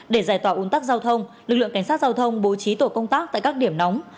để giải tỏa uốn tắc giao thông lực lượng cảnh sát giao thông bố trí tổ công tác tại các điểm nóng